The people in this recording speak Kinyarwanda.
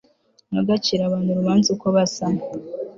ntugacire abantu urubanza uko basa